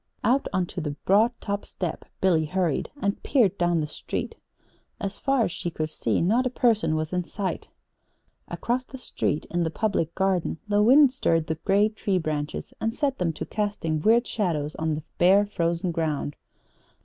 Out on to the broad top step Billy hurried, and peered down the street. As far as she could see not a person was in sight. Across the street in the Public Garden the wind stirred the gray tree branches and set them to casting weird shadows on the bare, frozen ground.